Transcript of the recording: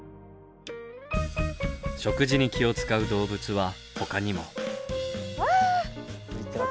食事に気を遣う動物はほかにも。うわ！